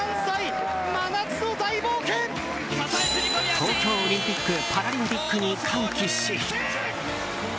東京オリンピック・パラリンピックに歓喜し。